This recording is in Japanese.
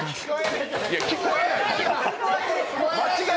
いや、聞こえない。